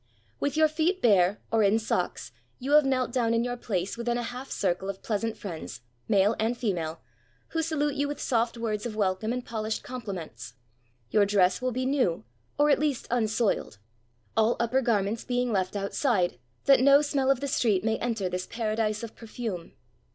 With your feet bare or in socks you have knelt 409 JAPAN down in your place within a half circle of pleasant friends, male and female, who salute you with soft words of welcome and poUshed compliments. Your dress will be new, or at least unsoiled; aU upper garments being left outside that no smeU of the street may enter this paradise of perfume.